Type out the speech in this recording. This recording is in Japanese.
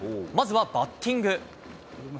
まずはバッティング。